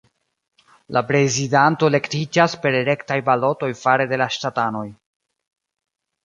La prezidanto elektiĝas per rektaj balotoj fare de la ŝtatanoj.